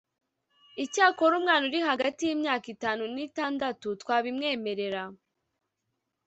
Icyakora umwana uri hagati y imyaka itanu ni itandatu twabimwemerera